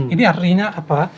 ini artinya apa